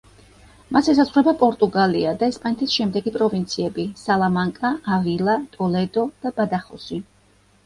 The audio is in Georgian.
მას ესაზღვრება პორტუგალია და ესპანეთის შემდეგი პროვინციები: სალამანკა, ავილა, ტოლედო და ბადახოსი.